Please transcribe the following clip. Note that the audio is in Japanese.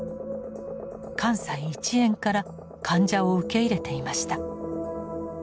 関西一円から患者を受け入れていました。